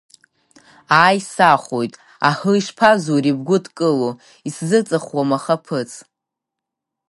Ааи сахоит, аҳы ишԥазури бгәыдкыло исзыҵхуам ахаԥыц!